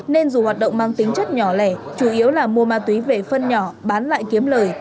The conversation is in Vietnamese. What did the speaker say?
nên dù hoạt động mang tính chất nhỏ lẻ chủ yếu là mua ma túy về phân nhỏ bán lại kiếm lời